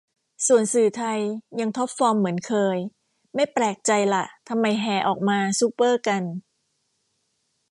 ส่วนสื่อไทยยังท็อปฟอร์มเหมือนเคย ไม่แปลกใจละทำไมแห่ออกมาซูเปอร์กัน